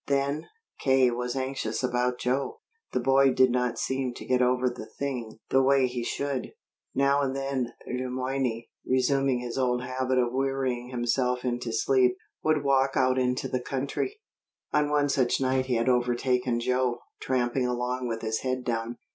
Then, K. was anxious about Joe. The boy did not seem to get over the thing the way he should. Now and then Le Moyne, resuming his old habit of wearying himself into sleep, would walk out into the country. On one such night he had overtaken Joe, tramping along with his head down.